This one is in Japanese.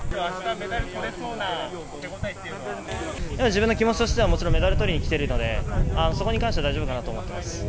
メダルとれそうな手応えって自分の気持ちとしては、もちろんメダルとりに来てるので、そこに関しては大丈夫かなと思っています。